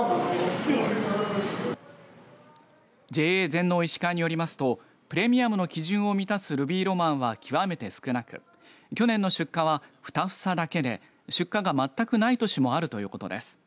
ＪＡ全農いしかわによりますとプレミアムの基準を満たすルビーロマンは極めて少なく去年の出荷は２房だけで出荷が全くない年もあるということです。